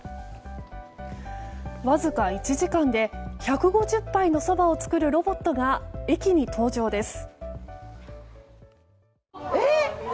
わずか１時間で１５０杯のそばを作るロボットが駅に登場です。